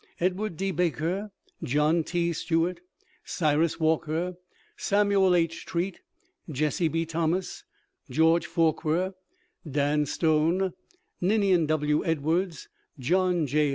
Edward D. Baker, John T. Stuart, Cyrus Walker, Samuel H. Treat, Jesse B. Thomas, George Forquer, Dan Stone, Ninian W. Edwards, John J.